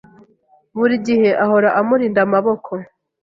Buri gihe ahora amurinda amaboko